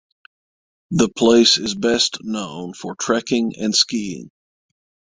The place is best known for trekking and skiing.